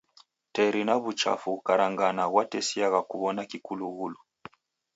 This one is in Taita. Teri na w'uchafu ghukarangana ghwatesiagha kuw'ona kikulughulu.